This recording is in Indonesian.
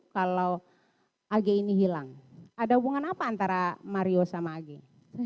kalau ag ini hilang ada hubungan apa antara mario sama ag